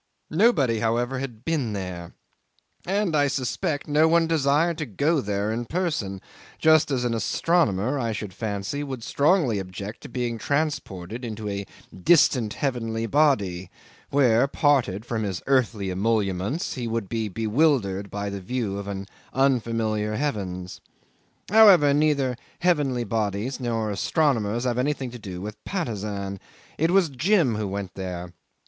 Nobody, however, had been there, and I suspect no one desired to go there in person, just as an astronomer, I should fancy, would strongly object to being transported into a distant heavenly body, where, parted from his earthly emoluments, he would be bewildered by the view of an unfamiliar heavens. However, neither heavenly bodies nor astronomers have anything to do with Patusan. It was Jim who went there.